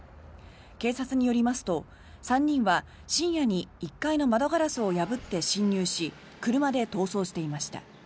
警察によりますと、３人は深夜に１階の窓ガラスを破って侵入し車で逃走していました。